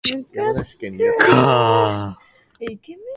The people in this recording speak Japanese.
長野県小川村